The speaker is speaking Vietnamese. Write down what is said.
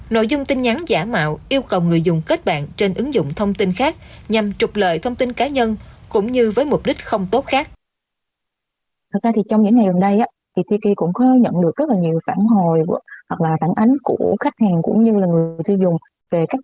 nội dung tin nhắn giả mạo yêu cầu người dùng kết bạn trên ứng dụng thông tin khác nhằm trục lợi thông tin cá nhân cũng như với mục đích không tốt khác